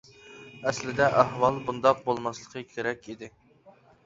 ئەسلىدە ئەھۋال بۇنداق بولماسلىقى كېرەك ئىدى.